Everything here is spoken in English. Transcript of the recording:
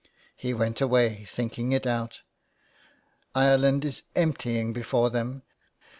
He went away thinking it out. Ireland is emptying before them.